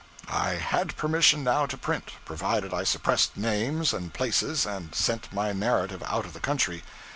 I had permission now to print provided I suppressed names and places and sent my narrative out of the country.